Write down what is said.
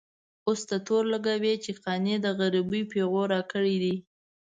اوس ته تور لګوې چې قانع د غريبۍ پېغور راکړی دی.